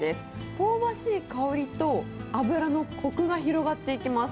香ばしい香りと、脂のこくが広がっていきます。